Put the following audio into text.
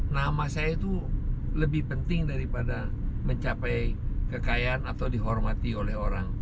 nama saya itu lebih penting daripada mencapai kekayaan atau dihormati oleh orang